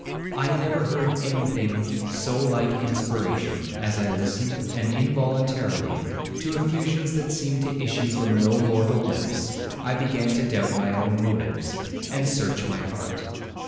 I never heard any thing so like inspiration; as I listened, and involuntarily, to effusions that seemed to issue from no mortal lips, I began to doubt my own motives, and search my heart.